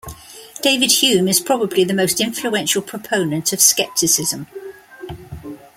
David Hume is probably the most influential proponent of skepticism.